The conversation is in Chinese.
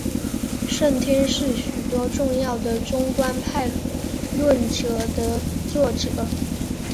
圣天是许多重要的中观派论着的作者。